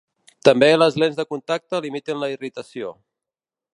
També les lents de contacte limiten la irritació.